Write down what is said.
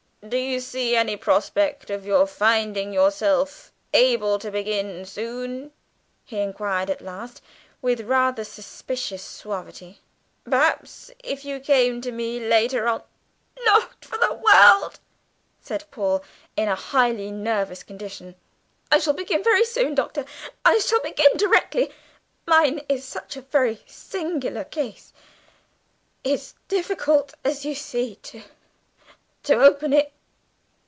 "Do you see any prospect of your finding yourself able to begin soon?" he inquired at last, with rather suspicious suavity. "Perhaps if you came to me later on " "Not for the world!" said Paul, in a highly nervous condition. "I shall begin very soon, Doctor, I shall begin directly. Mine is such a very singular case; it's difficult, as you see, to, to open it!"